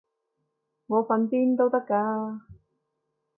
我瞓邊都得㗎